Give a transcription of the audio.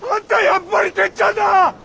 やっぱりてっちゃんだ！